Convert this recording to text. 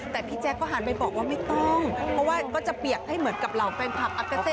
แต่พี่แจ๊คก็หันไปบอกว่าไม่ต้องเพราะว่าก็จะเปียกให้เหมือนกับเหล่าแฟนคลับอัปกาเซ